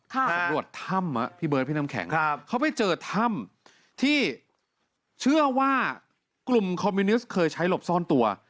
ถ้าสำรวจถ้ำพี่เบิร์ดพี่น้ำแข็งเขาไปเจอถ้ำที่เชื่อว่ากลุ่มคอมมิวนิสต์เคยใช้หลบซ่อนตัว